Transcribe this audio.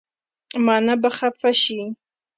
مانه به خفه شې